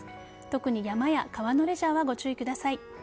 特に山や川のレジャーはご注意ください。